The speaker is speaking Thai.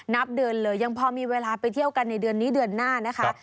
นับเดือนเลยยังพอมีเวลาไปเที่ยวกันในเดือนนี้เดือนหน้านะคะ